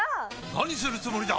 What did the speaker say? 何するつもりだ！？